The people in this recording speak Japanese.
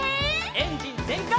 エンジンぜんかい！